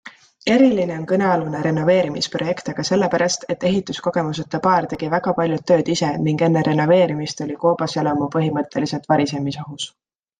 Eriline on kõnealune renoveerimisprojekt aga sellepärast, et ehituskogemuseta paar tegi väga paljud tööd ise ning enne renoveerimist oli koobaselamu põhimõtteliselt varisemisohus.